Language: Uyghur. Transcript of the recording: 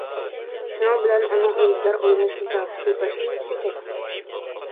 شۇنىڭ بىلەن ئۇنىڭ ئۈندىدار ئويناش مۇساپىسى باشلىنىپلا كەتتى.